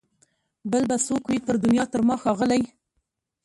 بل به څوک وي پر دنیا تر ما ښاغلی